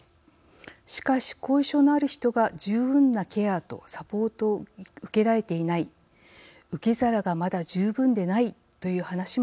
しかし後遺症のある人が十分なケアとサポートを受けられていない受け皿がまだ十分でないという話もあります。